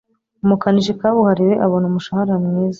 Umukanishi kabuhariwe abona umushahara mwiza.